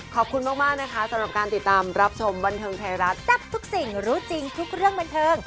ขอบคุณมากนะคะสำหรับการติดตามรับชมบันเทิงไทยรัฐจับทุกสิ่งรู้จริงทุกเรื่องบันเทิง